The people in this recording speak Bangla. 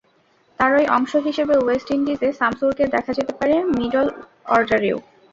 তারই অংশ হিসেবে ওয়েস্ট ইন্ডিজে শামসুরকে দেখা যেতে পারে মিডল অর্ডারেও।